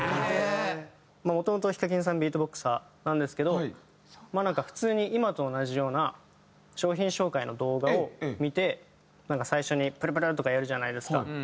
もともとＨＩＫＡＫＩＮさんビートボクサーなんですけどなんか普通に今と同じような商品紹介の動画を見て最初にプルプルとかやるじゃないですか。